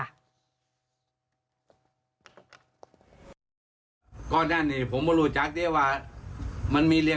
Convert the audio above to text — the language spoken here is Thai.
วันนี้พระพระสั่งข้าวคนนี้ขี้รถมาทั่ยมาจอดอยู่นี่ไซค์จอบเลย